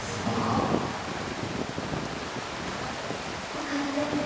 お母ちゃん